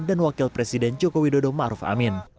dan wakil presiden jokowi dodo maruf amin